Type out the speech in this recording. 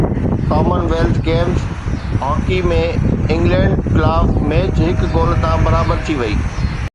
ڪمن wealth Games hockey ۾ England خلاف match هڪ گول تان برابر ٿي وئي